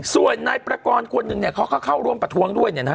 ส่วนนายประกอลคนหนึ่งเขาเข้าร่วมประทวงด้วยเนี่ยนะ